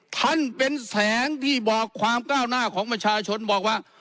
ท่านเป็นแสงที่บอกความก้าวหน้าของประชาชนบอกว่า